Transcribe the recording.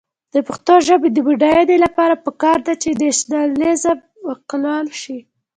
د پښتو ژبې د بډاینې لپاره پکار ده چې نیشنلېزم معقول شي.